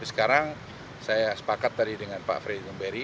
sekarang saya sepakat tadi dengan pak freddy numberi